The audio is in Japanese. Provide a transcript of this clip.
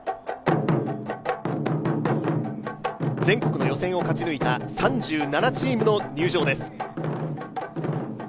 全国の予選を勝ち抜いた３７チームの入場です。